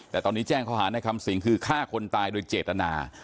แต่ตอนนี้แจ้งข้อหาในคำสิงคือฆ่าคนตายโดยเจตนา